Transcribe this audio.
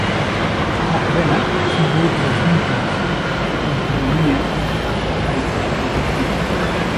La cadena simbolitza els vincles de companyonia entre els lacais de la companyia.